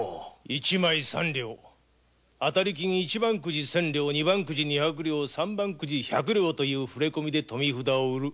一枚三両当たり金一番くじ千両二番くじ二百両三番くじ百両という触れ込みで富札を売る。